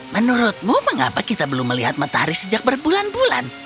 menurutmu mengapa kita belum melihat matahari sejak berbulan bulan